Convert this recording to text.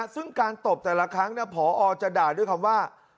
ซึ่งการตบแต่ละครั้งพอจะด่าด้วยคำว่า